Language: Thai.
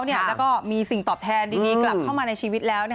แล้วก็มีสิ่งตอบแทนดีกลับเข้ามาในชีวิตแล้ว